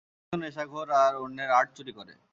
সে একজন নেশাখোর আর অন্যের আর্ট চুরি করে।